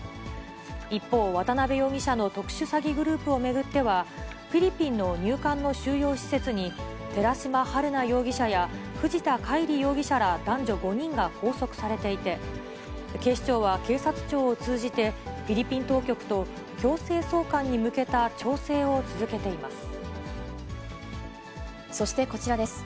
一方、渡辺容疑者の特殊詐欺グループを巡っては、フィリピンの入管の収容施設に、寺島春奈容疑者や藤田海里容疑者ら男女４人が拘束されていて、警視庁は警察庁を通じて、フィリピン当局と強制送還に向けた調整そしてこちらです。